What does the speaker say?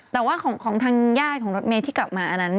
แต่ว่าของทางญาติของรถเมย์ที่กลับมาอันนั้น